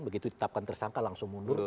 begitu ditetapkan tersangka langsung mundur